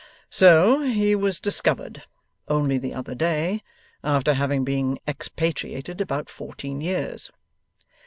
'So he was discovered, only the other day, after having been expatriated about fourteen years.